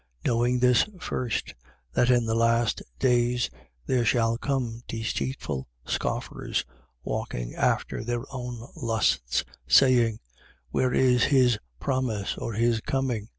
3:3. Knowing this first: That in the last days there shall come deceitful scoffers, walking after their own lusts, 3:4. Saying: Where is his promise or his coming?